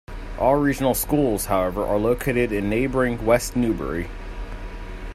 All regional schools, however, are located in neighboring West Newbury.